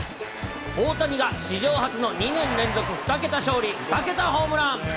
大谷が史上初の２年連続２桁勝利２桁ホームラン。